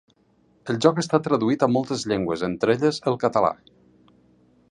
El joc està traduït a moltes llengües entre elles el català.